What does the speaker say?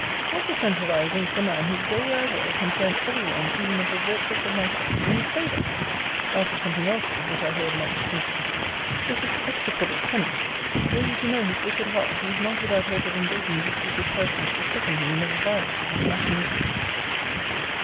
What defence have I against a man, who, go where I will, can turn every one, even of the virtuous of my sex, in his favour?' After something else said, which I heard not distinctly 'This is execrable cunning! Were you to know his wicked heart, he is not without hope of engaging you two good persons to second him in the vilest of his machinations.'